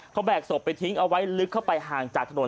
เขาแบกศพไปทิ้งเอาไว้ลึกเข้าไปห่างจากถนน